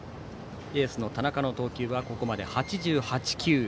エースの田中の投球はここまで８８球。